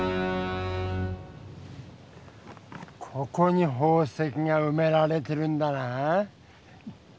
ここに宝石がうめられてるんだな？